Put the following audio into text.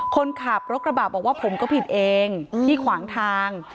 คนขับรถกระบะบอกว่าผมก็ผิดเองที่ขวางทาง